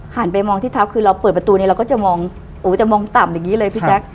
ห่านไปมองที่ท้าวคือเราเปิดประตูนี้เราก็จะมองต่ำอย่างนี้เลยพี่จ๊ะ